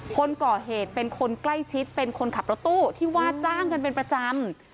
คนก่อเหตุเป็นคนใกล้ชิดเป็นคนขับรถตู้ที่ว่าจ้างกันเป็นประจำ